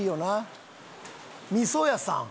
味噌屋さん。